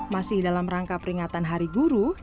masih dalam rangka peringatan hari guru